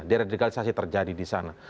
direkturialisasi terjadi di sana